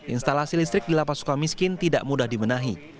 instalasi listrik di lepas suka miskin tidak mudah dimenahi